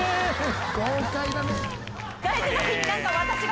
豪快だね。